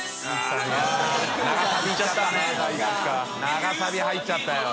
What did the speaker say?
長サビ入っちゃったよ。）